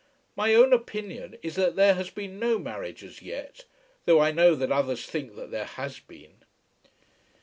My own opinion is that there has been no marriage as yet, though I know that others think that there has been."